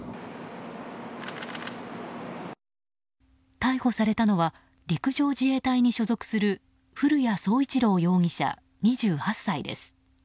逮捕されたのは陸上自衛隊に所属する古屋聡一朗容疑者、２８歳です。